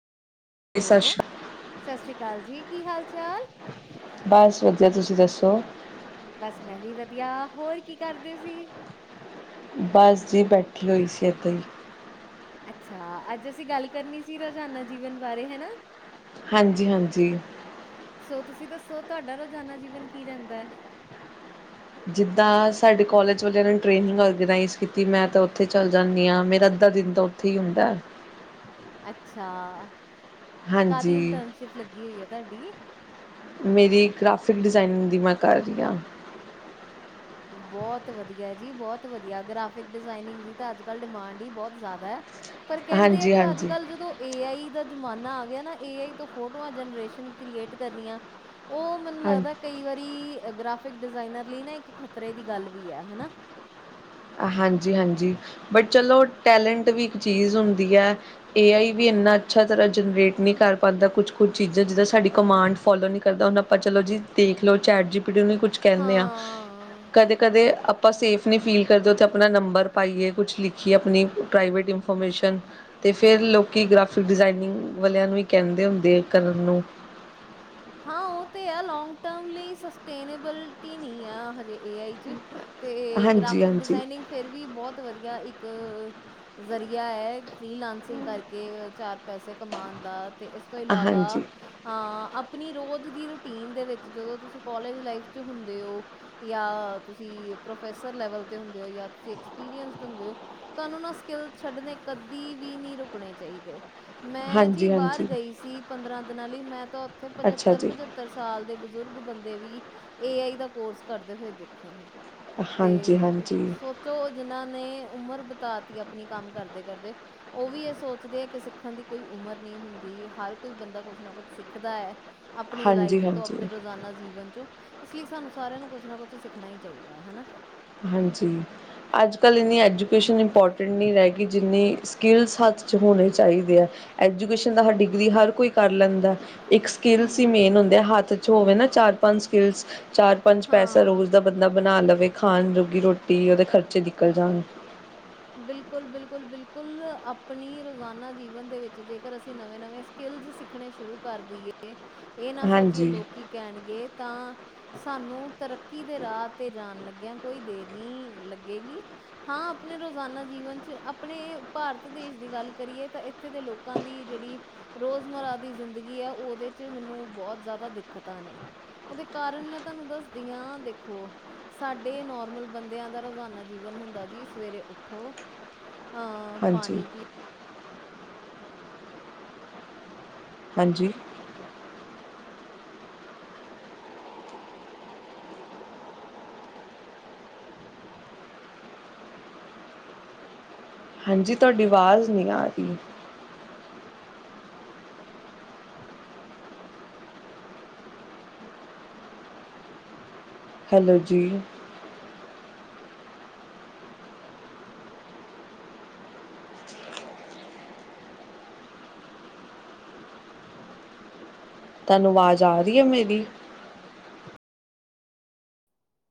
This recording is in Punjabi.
ਸਤਿ ਹੈਲੋ, ਸ਼੍ਰੀ ਅਕਾਲ ਸਤਿ ਸ਼੍ਰੀ ਅਕਾਲ ਜੀ, ਕੀ ਹਾਲ ਚਾਲ? ਬਸ ਵਧੀਆ, ਤੁਸੀਂ ਦੱਸੋ? ਬਸ ਮੈਂ ਵੀ ਵਧੀਆ, ਹੋਰ ਕੀ ਕਰਦੇ ਸੀ? ਬਸ ਜੀ ਬੈਠੀ ਹੋਈ ਸੀ ਏਦਾ ਹੀ। ਅੱਛਾ ਅੱਜ ਅਸੀਂ ਗੱਲ ਕਰਨੀ ਸੀ ਰੋਜ਼ਾਨਾ ਜੀਵਨ ਬਾਰੇ ਹਨਾ। ਹਾਂਜੀ, ਹਾਂਜੀ। ਸੋ ਤੁਸੀਂ ਦੱਸੋ ਤੁਹਾਡਾ ਰੋਜ਼ਾਨਾ ਜੀਵਨ ਕੀ ਰਹਿੰਦਾ? ਜਿੱਦਾਂ ਸਾਡੇ ਕੋਲਜ ਵੇਗੇਰਾ ਨੇ ਟ੍ਰੇਨਿੰਗ ਔਰਗਨਾਈਜ਼ ਕੀਤੀ ਮੈਂ ਤਾਂ ਉੱਥੇ ਚੱਲ ਜਾਂਦੀ ਹਾਂ ਮੇਰਾ ਅੱਧਾ ਦਿਨ ਤਾਂ ਉ ਕੀ ਹੁੰਦਾ। ਅੱਛਾ ਹਾਂਜੀ ਕਾਹਦੀ ਇੰਟਰਨਸ਼ਿਪ ਲੱਗੀ ਹੋਈ ਹੈ ਤੁਹਾਡੀ। ਮੇਰੀ ਗ੍ਰਾਫਿਕ ਡਿਜ਼ਾਇਨਿੰਗ ਦੀ ਮੈਂ ਕਰ ਰਹੀ ਹਾਂ। ਬਹੁਤ ਵਧਿਆ ਜੀ ਬਹੁਤ ਵਧਿਆ ਗ੍ਰਫਿਕ ਡਿਜ਼ਨਿੰਗ ਦੀ ਅਜ ਕਲ ਡਿਮਾਂਡ ਹੀ ਬਹੁਤ ਜ਼ਿਆਦਾ। ਪਰ ਕਹਿੰਦੇ ਆ ਕਿ ਅੱਜ ਹਾਂਜੀ-ਹਾਂਜੀ, ਕੱਲ੍ਹ ਹਾਂਜੀ। ਜਦੋਂ ਏ ਆਈ ਦਾ ਜ਼ਮਾਨਾ ਆ ਗਿਆ ਨਾ ਏ ਆਈ ਤੋਂ ਫੋਟੋਆਂ ਜਨਰੇਸ਼ਨ ਕ੍ਰੀਏਟ ਕਰਨੀਆਂ ਉਹ ਮੈਨੂੰ ਹਾਂ ਲੱਗਦਾ ਕਈ ਵਾਰੀ ਗ੍ਰਾਫਿਕ ਡਿਜ਼ਾਇਨਰ ਲਈ ਨਾ ਇੱਕ ਖ਼ਤਰੇ ਦੀ ਗੱਲ ਵੀ ਹੈ ਹਨਾ। ਹਾਂਜੀ, ਹਾਂਜੀ ਬਟ ਚਲੋ ਟੈਲੈਂਟ ਵੀ ਇੱਕ ਚੀਜ਼ ਹੁੰਦੀ ਹੈ। ਏ ਆਈ ਵੀ ਇੰਨਾ ਅੱਛਾ ਤਰ੍ਹਾਂ ਜਨਰੇਟ ਨਹੀਂ ਕਰ ਪਾਉਂਦਾ, ਕੁਛ ਕੁਝ ਚੀਜ਼ਾਂ ਜਿੱਦਾਂ ਸਾਡੀ ਕਮਾਂਡ ਫੋਲੋ ਨ ਕਰਦਾ ਉਹਨਾਂ ਆਪਾਂ ਚਲੋ ਜੀ ਦੇਖਲਓ ਚੈਟ ਜੀ ਪੀੜੂੰ ਕੁਛ ਕਹਿੰਦੇ ਆਾਂ ਹਾਂ ਕਦੇ ਕਦੇ ਆਪਾਂ ਸੇਫ ਨਹੀਂ ਫੀਲ ਕਰਦੇ ਹੋ ਤਾਂ ਆਪਣਾ ਨੰਬਰ ਪਾਇਏ ਕੁਛ ਲਿਖੀਏ ਆਪਣੀ ਪ੍ਰਾਈਵੇਟ ਇਨਫੋਰਮੇਸ਼ਨ ਅਤੇ ਫਿਰ ਲੋਕੀ ਗ੍ਰਾਫਿਕ ਡਿਜ਼ਾਇਨਿੰਗ ਵਾਲਿਆਂ ਨੂੰ ਵੀ ਕਹਿੰਦੇ ਹੁੰਦੇ ਆ ਕਰਨ ਨੂ। ਹਾਂ ਉਹ ਤੇ ਆ ਲੋਂਗ ਟਾਈਮ ਲਈ ਸਸਟੇਨਬਿਲਟੀ ਨਹੀਂ ਆ ਹਜੇ ਏ ਆਈ ਚ ਅਤੇ ਗ੍ਰਾਫਿਕ ਹਾਂਜੀ-ਹਾਂਜੀ, ਡਿਜ਼ਾਇਨਿੰਗ ਫਿਰ ਵੀ ਬਹੁਤ ਵਧੀਆ ਇੱਕ ਜ਼ਰੀਆ ਹੈ ਫੀ ਲਾਂਸਿੰਗ ਕਰਕੇ ਚਾਰ ਪੈਸੇ ਕਮਾਉਣ ਦਾ ਤੇ ਇਸ, ਤੋਂ ਇਲਾਵਾ ਹਾਂਜੀ, ਅ ਅਪ ਆਪਣੀ ਰੋਜ਼ ਦੀ ਰੂਟੀਨ ਦੇ ਵਿੱਚ ਜਦੋਂ ਤੁਸੀਂ ਕੋਲਜ ਲਾਈਫ 'ਚ ਹੁੰਦੇ ਹੋ ਯਾ ਤੁਸੀਂ ਪਰੋਫੇਸਰ ਲੈਵਲ ਤੇ ਹੁੰਦੇ ਹੋ ਯਾ ਤੁਸੀਂ ਅਕੇਸਪਿਰਸ ਹੁੰਦੇ ਹੋ ਤੁਹਾਨੂੰ ਨਾ ਸਕਿੱਲ ਛੱਡਣੇ ਕਦੀ ਵੀ ਨਹੀਂ ਰੁਕਣੇ ਚਾਹੀਦੇ। ਮੈਂ ਜੀ ਬਾਹਰ ਹਾਂਜੀ-ਹਾਂਜੀ ਗਈ ਸੀ ਪੰਦਰਾਂ ਦਿਨਾਂ ਲਈ ਮੈਂ ਤਾਂ ਉੱਥੇ ਅੱਛਾ ਪੰਝੱਤਰ ਜੀ, ਪੰਝੱਤਰ ਸੱਤਰ ਸਾਲ ਦੇ ਬਜ਼ੁਰਗ ਬੰਦੇ ਵੀ ਏ ਆਈ ਦਾ ਕੋਰਸ ਕਰਦੇ ਹੋਏ ਦੇਖੇ ਨੇ। ਤੇ ਹਾਂਜੀ-ਹਾਂਜੀ, ਸੋਚੋ ਜਿਨਾਂ ਨੇ ਉਮਰ ਬਿਤਾਦੀ ਆਪਣੀ ਕੰਮ ਕਰਦੇ, ਕਰਦੇ ਉਹ ਵੀ ਇਹ ਸੋਚਦੇ ਹੈ ਕਿ ਸਿੱਖਣ ਦੀ ਕੋਈ ਉਮਰ ਨਹੀਂ ਹੁੰਦੀ ਹਰ ਕੋਈ ਬੰਦਾ ਕੁਛ ਨਾ ਕੁੱਛ ਸਿੱਖਦਾ ਹੈ। ਆਪਣੀ ਲਾਈਫ ਤੋਂ ਹਾਂਜੀ-ਹਾਂਜੀ ਆਪਣੇ ਰੋਜ਼ਾਨਾ ਜੀਵਨ ਚੋ ਲਈ ਸਾਨੂੰ ਸਾਰਿਆਂ ਨੂੰ ਕੁਛ ਨਾ ਕੁਛ ਸਿੱਖਣਾ ਹੀ ਚਾਹੀਦਾ ਹਨਾ। ਹਾਂਜੀ ਅੱਜ ਕੱਲ੍ਹ ਇੰਨੀ ਐਜੂਕੇਸ਼ਨ ਇੰਪੋਰਟੈਂਟ ਨਹੀਂ ਰਹਿ ਗਈ ਜਿੰਨੀ ਸਕਿੱਲਸ ਹੱਥ 'ਚ ਹੋਣੇ ਚਾਹੀਦੇ ਹੈ, ਐਜੂਕੇਸ਼ਨ ਦਾ ਹਰ ਡਿਗਰੀ ਹਰ ਕੋਈ ਕਰ ਲੈਂਦਾ। ਇੱਕ ਸਕਿੱਲਸ ਹੀ ਹੂੰ ਮੇਨ ਹੁੰਦੇ ਹੱਥ ਚ ਹੋਵੇ ਨਾ ਚਾਰ ਪੰਜ ਸਕਿੱਲਸ ਚਾਰ ਪੰਜ ਪੈਸਾ ਹਾਂ ਰੋਜ਼ ਦਾ ਬੰਦਾ ਬਣਾ ਲਵੇ ਖਾਣ ਜੋਗੀ ਰੋਟੀ ਉਹਦੇ ਖਰਚੇ ਨਿਕਲ ਜਾਣ। ਬਿਲਕੁਲ, ਬਿਲਕੁਲ, ਬਿਲਕੁਲ ਆਪਣੀ ਰੋਜ਼ਾਨਾ ਜੀਵਨ ਦੇ ਵਿੱਚ ਜੇਕਰ ਅਸੀਂ ਨਵੇਂ ਨਵੇਂ ਸਕਿੱਲਜ਼ ਸਿੱ ਸਖਣੇ ਸ਼ੁਰੂ ਕਰ ਦੇਈਏ, ਇਹ ਨਾ ਸੋਚੀਏ ਹਾਂਜੀ ਲੋਕੀ ਕਹਿਣਗੇ ਤਾਂ ਸਾਨੂੰ ਤਰੱਕੀ ਦੇ ਰਾਹ ਤੇ ਜਾਣ ਲੱਗਿਆ ਕੋਈ ਦੇਰ ਨਈ ਲੱਗੇਗੀ। ਹਾਂ। ਆਪਣੇ ਰੋਜ਼ਾਨਾ ਜੀਵਨ 'ਚ ਆਪਣੇ ਭਾਰਤ ਦੇਸ਼ ਦੀ ਗੱਲ ਕਰੀਏ, ਤਾਂ ਇੱਥੇ ਦੇ ਲੋਕਾਂ ਦੀ ਜਿਹੜੀ ਰੋਜ਼ਮਰਾ ਦੀ ਜ਼ਿੰਦਗੀ ਐ, ਉਹਦੇ ਚ ਮੈਨੂੰ ਬਹੁਤ ਜ਼ਿਆਦਾ ਦਿੱਕਤਾਂ ਨੇ। ਉਹਦੇ ਕਾਰਨ ਮੈਂ ਤਾਨੂੰ ਦੱਸਦੀ ਆ ਦੇਖੋ। ਸਾਡੇ ਨੋਰਮਲ ਬੰਦਿਆਂ ਦਾ ਰੋਜ਼ਾਨਾ ਜੀਵਨ ਹੁੰਦਾ ਜੀਸ। ਸਵੇਰੇ ਉਠੋ, ਅਅ ਹਾਂਜੀ ਪਾਣੀ ਪੀ ਹਾਂਜੀ ਹਾਂਜੀ, ਤੋਡੀ ਆਵਾਜ਼ ਨਹੀਂ ਆ ਰੀ। ਹੈਲੋ ਜੀ। ਤਾਨੂੰ ਵਾਜ਼ ਆ ਰਈ ਆ ਮੇਰੀ।